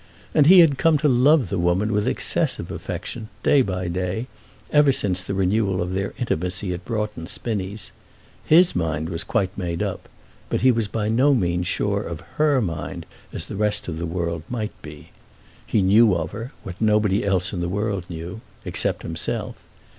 And he had come to love the woman with excessive affection, day by day, ever since the renewal of their intimacy at Broughton Spinnies. His mind was quite made up; but he was by no means so sure of her mind as the rest of the world might be. He knew of her, what nobody else in all the world knew, except himself.